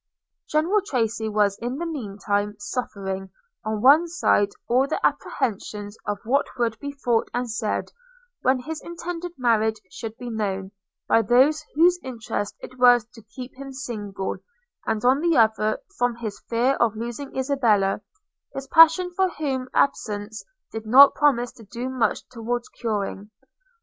General Tracy was in the mean time suffering, on one side, all the apprehensions of what would be thought and said, when his intended marriage should be known, by those whose interest it was to keep him single; and on the other, from his fear of losing Isabella, his passion for whom absence did not promise to do much towards curing.